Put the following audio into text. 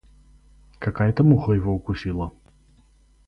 Какая-то муха его укусила.